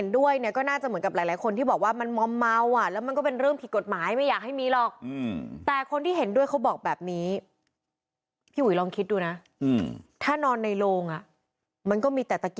ส่วนจริงเราก็อยากจะทำ